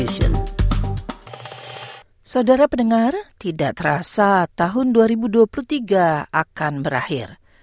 saudara pendengar tidak terasa tahun dua ribu dua puluh tiga akan berakhir